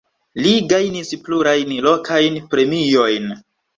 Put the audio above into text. Li gajnis plurajn lokajn premiojn.